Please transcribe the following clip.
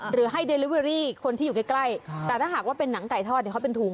หรือให้เดลิเวอรี่คนที่อยู่ใกล้แต่ถ้าหากว่าเป็นหนังไก่ทอดเนี่ยเขาเป็นถุง